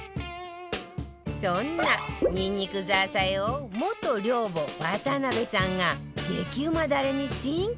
そんなにんにくザーサイを元寮母渡邊さんが激うまダレに進化させたのよ